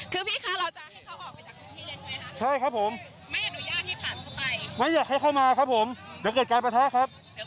คือพี่คะเราจะให้เขาออกไปจากพื้นที่เลยใช่ไหมคะ